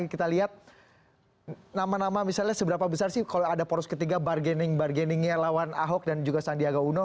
kita lihat nama nama misalnya seberapa besar sih kalau ada poros ketiga bargaining bargainingnya lawan ahok dan juga sandiaga uno